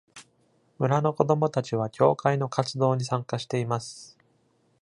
村の子供達は教会の活動に参加しています。